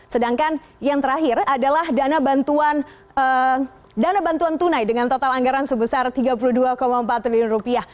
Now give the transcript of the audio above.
sedangkan yang terakhir adalah dana bantuan tunai dengan total anggaran sebesar rp tiga puluh dua empat triliun